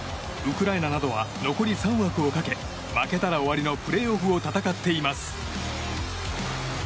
ウクライナなどは残り３枠をかけ負けたら終わりのプレーオフを戦っています。